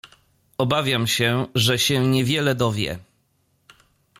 "Obawiam się, że się niewiele dowie."